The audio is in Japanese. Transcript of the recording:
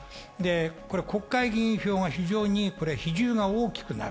国会議員票があり、比重が大きくなる。